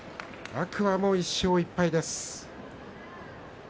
天空海も１勝１敗です。